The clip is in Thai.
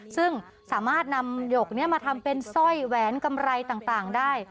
ซึ่งสามารถนำหยกนี้มาทำเป็นสร้อยแหวนกำไรต่างได้